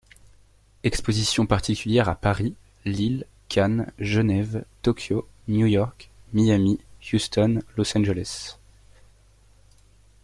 Expositions particulières à Paris, Lille, Cannes, Genève, Tokyo, New York, Miami, Houston, Los Angeles.